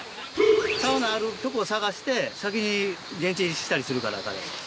サウナあるとこ探して先に現地入りしたりするから。